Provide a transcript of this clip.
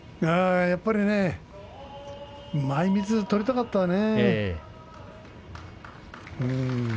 やはり前みつを取りたかったね。